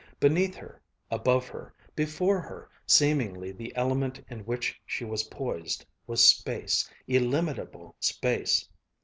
Beneath her, above her, before her, seemingly the element in which she was poised, was space, illimitable space.